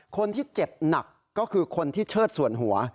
คนที่เจ็บหนักก็คือคนที่เชิดส่วนหัว